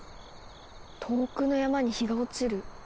遠くの山に日が落ちる。